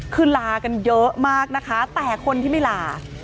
คือลากันเยอะมากนะคะแต่คนที่ไม่ลา